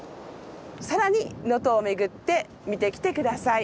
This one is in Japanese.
さらに能登を巡って見てきて下さい。